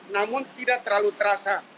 namun tidak terlalu terasa